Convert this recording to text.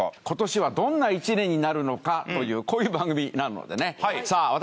今年はどんな１年になるのかというこういう番組なのでねさあ